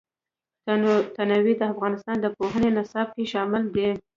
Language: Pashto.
تنوع د افغانستان د پوهنې نصاب کې شامل دي.